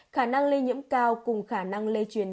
khả năng lây nhiễm cao cùng khả năng lây truyền